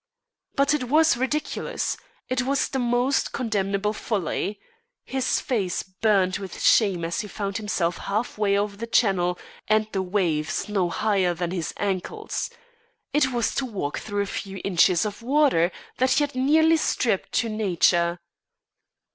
But it was ridiculous! It was the most condemnable folly! His face burned with shame as he found himself half way over the channel and the waves no higher than his ankles. It was to walk through a few inches of water that he had nearly stripped to nature!